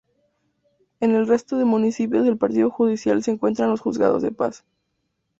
En el resto de municipios del partido judicial se encuentran los juzgados de paz.